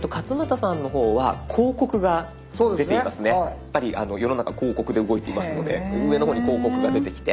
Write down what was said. やっぱり世の中広告で動いていますので上の方に広告が出てきて。